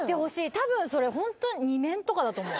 多分それホント２面とかだと思う